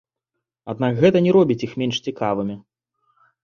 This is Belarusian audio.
Аднак гэта не робіць іх менш цікавымі.